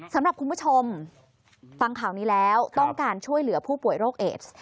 สำหรับคุณผู้ชมฟังข่าวนี้แล้วต้องการช่วยเหลือผู้ป่วยโรคเอส